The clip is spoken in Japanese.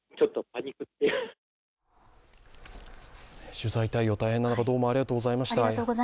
取材対応、大変な中、ありがとうございました。